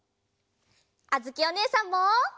あづきおねえさんも！